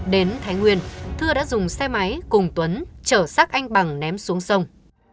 đến thái nguyên thưa đã dùng xe máy cùng tuấn trở xác anh bằng ném xuống sông